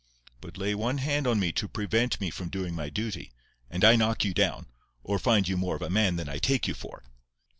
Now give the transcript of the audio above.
But lay one hand on me to prevent me from doing my duty, and I knock you down—or find you more of a man than I take you for."